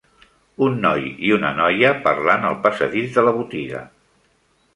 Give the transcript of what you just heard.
Un noi i una noia parlant al passadís de la botiga.